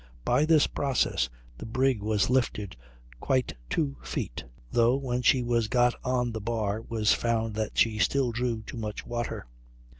By this process the brig was lifted quite two feet, though when she was got on the bar it was found that she still drew too much water.